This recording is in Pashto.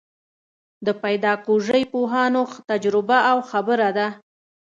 د پیداکوژۍ پوهانو تجربه او خبره ده.